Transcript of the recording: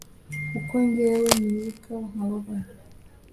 kuko jyewe nibuka nkababara